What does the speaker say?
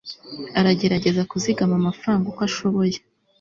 aragerageza kuzigama amafaranga uko ashoboye